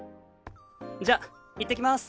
じゃあいってきます。